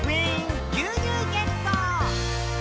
「牛乳ゲット！」